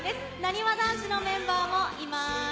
なにわ男子のメンバーもいます。